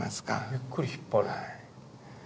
ゆっくり引っ張る。